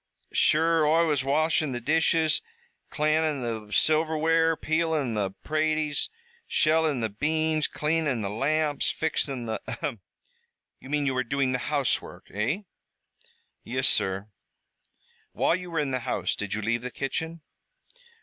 Sure Oi was washin' the dishes, cl'anin' the silverware, peelin' the praties, shellin' the beans, cleanin' the lamps, fixin' the " "Ahem! You mean you were doing the housework, eh?" "Yis, sur." "While you were in the house, did you leave the kitchen?"